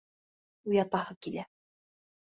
Уятаһы килә...